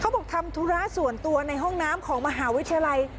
บอกทำธุระส่วนตัวในห้องน้ำของมหาวิทยาลัย